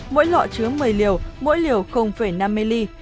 mỗi lọ chứa một mươi liều mỗi liều năm mel